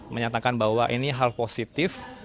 menyatakan bahwa ini hal positif